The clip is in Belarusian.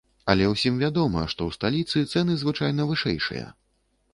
Але ўсім вядома, што ў сталіцы цэны звычайна вышэйшыя.